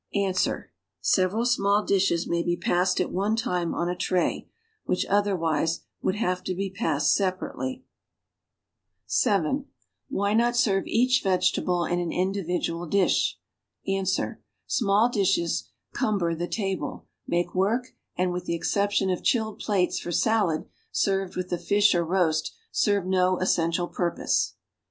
Ans. Several small dishes may be passed at one time on a tray, which, otherwise, would have to be passed separately. 26 (7) ^Vhy not serve each vegetable in an individual dish? Ans. Small dishes cumber the table, make work, and, with the ex ception of chilled plates for salad served with the fish or roast, serve no essential purpose.